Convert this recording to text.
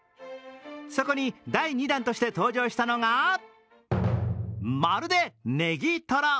そこに第２弾として登場したのがまるでネギトロ。